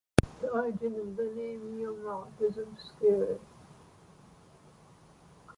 The origin of the name Yeomalt is obscure.